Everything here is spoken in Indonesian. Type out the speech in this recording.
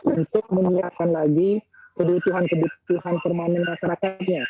untuk menyiapkan lagi kebutuhan kebutuhan permanen masyarakatnya